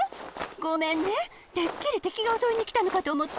ごめんねてっきりてきがおそいにきたのかとおもって。